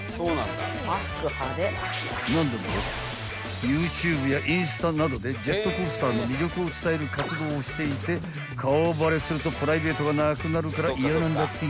［何でもＹｏｕＴｕｂｅやインスタなどでジェットコースターの魅力を伝える活動をしていて顔バレするとプライベートがなくなるから嫌なんだって］